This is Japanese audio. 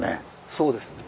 そうですね。